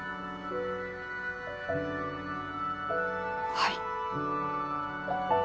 はい。